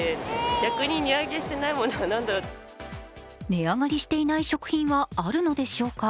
値上がりしていない食品はあるのでしょうか。